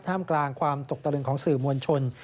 มกลางความตกตะลึงของสื่อมวลชน